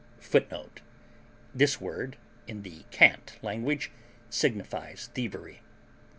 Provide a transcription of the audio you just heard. [Footnote: This word, in the cant language, signifies thievery.